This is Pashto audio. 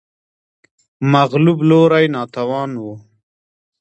مغلوب لوری ناتوان و